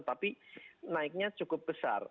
tapi naiknya cukup besar